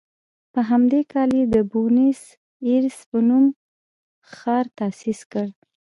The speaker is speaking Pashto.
په همدې کال یې د بونیس ایرس په نوم ښار تاسیس کړ.